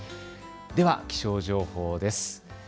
では気象情報です。